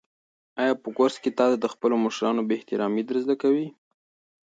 آیا په کورس کې تاته د خپلو مشرانو بې احترامي در زده کوي؟